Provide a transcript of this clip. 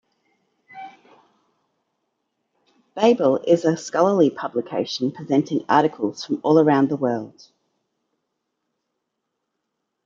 Babel is a scholarly publication presenting articles from all round the world.